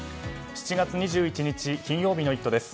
７月２１日、金曜日の「イット！」です。